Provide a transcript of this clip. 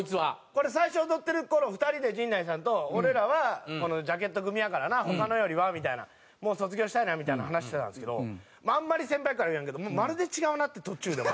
これ最初踊ってる頃２人で陣内さんと「俺らはジャケット組やからな他のよりは」みたいな「もう卒業したいな」みたいな話してたんですけどあんまり先輩やから言わんけどまるで違うなって途中で思って。